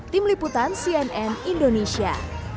tim liputan cnn indonesia